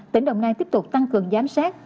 tỉnh đồng nai tiếp tục tăng cường giám sát